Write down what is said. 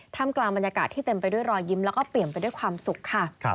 กลางบรรยากาศที่เต็มไปด้วยรอยยิ้มแล้วก็เปลี่ยนไปด้วยความสุขค่ะ